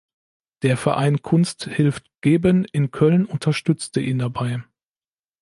Der Verein Kunst hilft geben in Köln unterstützte ihn dabei.